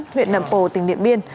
huyện lậm pồ tỉnh điện biên